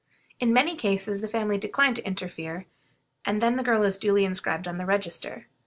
In many cases the family decline to interfere, and then the girl is duly inscribed on the register.